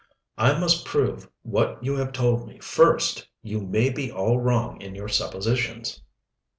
"I must prove what you have told me first You may be all wrong in your suppositions."